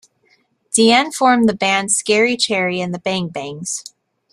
Deane formed the band Scary Cherry and the Bang Bangs.